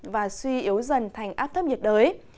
và suy yếu dần thành áp thấp nhiệt đới